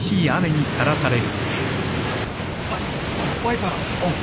あっワイパーオン！